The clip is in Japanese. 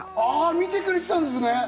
見てくれていたんですね！